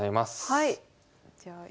はい。